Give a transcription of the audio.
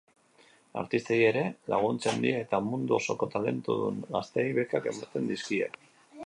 Artistei ere laguntzen die eta mundu osoko talentudun gazteei bekak ematen dizkie.